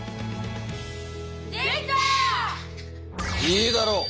いいだろう。